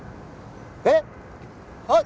えっ！はっ？